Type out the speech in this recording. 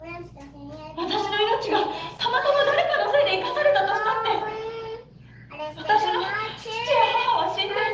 私の命がたまたま誰かのせいで生かされたとしたって私の父や母は死んで。